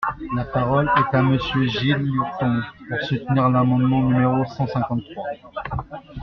La parole est à Monsieur Gilles Lurton, pour soutenir l’amendement numéro cent cinquante-trois.